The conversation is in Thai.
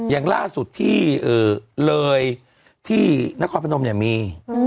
อย่างล่าสุดที่เลยที่นครพนมเนี่ยมี